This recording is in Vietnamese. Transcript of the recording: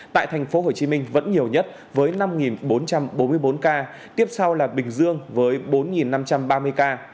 tại tp hcm vẫn nhiều nhất với năm bốn trăm bốn mươi bốn ca tiếp sau là bình dương với bốn năm trăm ba mươi ca